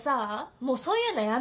もうそういうのやめない？